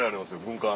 軍艦。